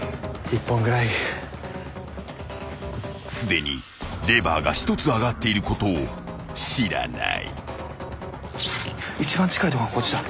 ［すでにレバーが１つ上がっていることを知らない］